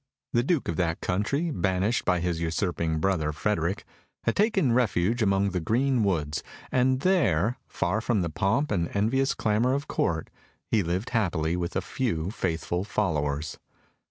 The Duke of that country, banished by his usurping brother Frederick, had taken refuge among the green woods, and there, far from the pomp and envious clamour of Court, he lived happily with a few faithful followers.